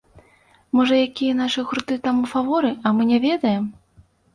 Можа якія нашы гурты там у фаворы, а мы не ведаем?